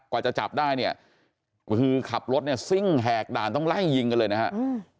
กว่าจะจับได้คือขับรถซิ่งแหกด่านต้องไล่ยิงกันเลยนะครับ